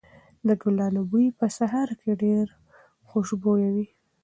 د ګلانو بوی په سهار کې ډېر خوشبويه وي.